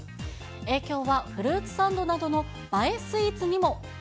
影響はフルーツサンドなどの映えスイーツにも。